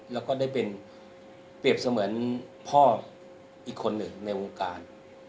แล้วก็ได้เป็นเปรียบเสมือนพ่ออีกคนหนึ่งในวงการ